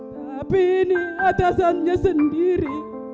tapi ini atasannya sendiri